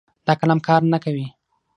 دا قلم کار نه کوي